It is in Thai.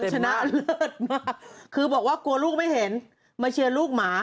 พอกลัวลูกไม่เห็นมาเชียร์ลูกหมา